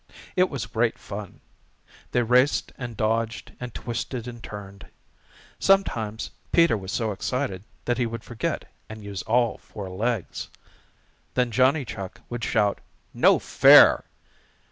It was great fun. They raced and dodged and twisted and turned. Sometimes Peter was so excited that he would forget and use all four legs. Then Johnny Chuck would shout "No fair!"